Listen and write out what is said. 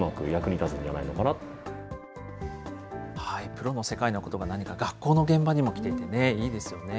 プロの世界のことが何か学校の現場にもきていてね、いいですよね。